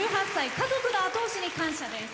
家族の後押しに感謝です。